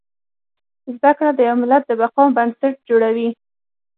زده کړه د يو ملت د بقا بنسټ جوړوي